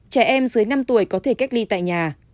trẻ em dưới năm tuổi có thể cách ly tại nhà